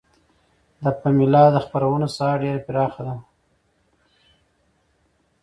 د پملا د خپرونو ساحه ډیره پراخه ده.